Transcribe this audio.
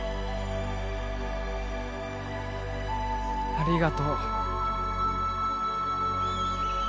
ありがとう。